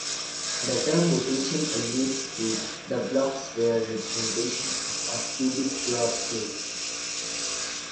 The term "rotation" alludes to the Bloch sphere representation of a qubit pure state.